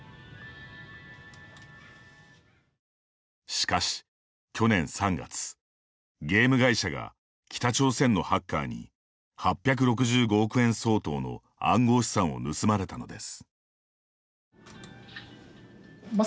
しかし去年３月、ゲーム会社が北朝鮮のハッカーに８６５億円相当の暗号資産を盗まれたのです。